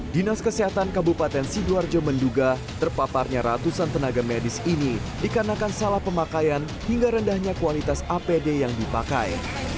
dinas kesehatan kabupaten sidoarjo menduga terpaparnya ratusan tenaga medis ini dikarenakan salah pemakaian hingga rendahnya kualitas apd yang dipakai